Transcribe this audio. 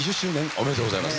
おめでとうございます。